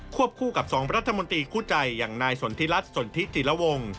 ควบคู่กับสองประธมนตีคู่ใจอย่างนายสนธิรัฐสนธิศิลวงศ์